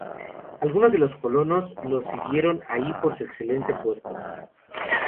Algunos de los colonos los siguieron ahí por su excelente puerto.